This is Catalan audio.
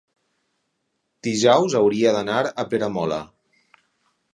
dijous hauria d'anar a Peramola.